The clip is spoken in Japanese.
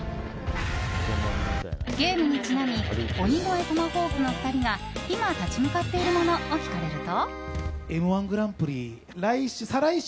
ゲームにちなみ鬼越トマホークの２人が今、立ち向かっているものを聞かれると。